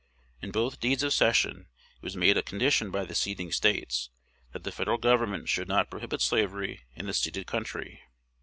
In both deeds of cession it was made a condition by the ceding States that the Federal Government should not prohibit slavery in the ceded country.